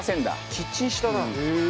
キッチン下だ。